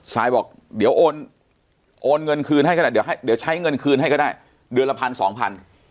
ซายบอกเดี๋ยวโอนเงินคืนให้ก็ได้เดี๋ยวใช้เงินคืนให้ก็ได้เดือนละพันสองพัน